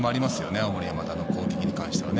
青森山田の攻撃に関してはね。